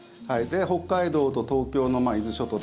北海道と東京の伊豆諸島。